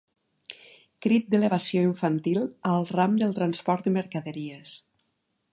Crit d'elevació infantil al ram del transport de mercaderies.